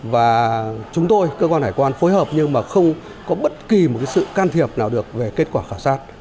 và chúng tôi cơ quan hải quan phối hợp nhưng mà không có bất kỳ một sự can thiệp nào được về kết quả khảo sát